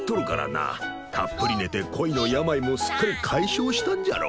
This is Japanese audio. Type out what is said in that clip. たっぷり寝て恋の病もすっかり解消したんじゃろ。